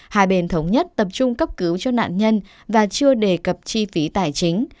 hai bên thống nhất tập trung cấp cứu cho nạn nhân và chưa đề cập chi phí tài chính